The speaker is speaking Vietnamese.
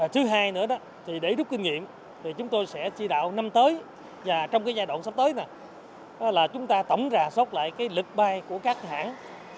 thứ hai nữa là để rút kinh nghiệm thì chúng tôi sẽ chỉ đạo năm tới và trong giai đoạn sắp tới là chúng ta tổng rà sốt lại lực bay của các hãng